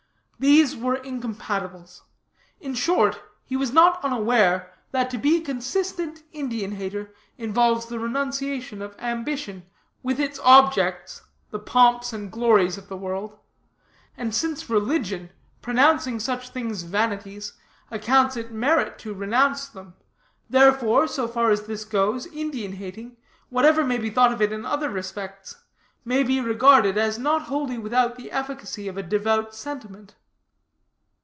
These were incompatibles. In short, he was not unaware that to be a consistent Indian hater involves the renunciation of ambition, with its objects the pomps and glories of the world; and since religion, pronouncing such things vanities, accounts it merit to renounce them, therefore, so far as this goes, Indian hating, whatever may be thought of it in other respects, may be regarded as not wholly without the efficacy of a devout sentiment.'"